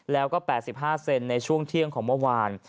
แล้วก็๘๕เซนในช่วงเที่ยงของเมื่อวาน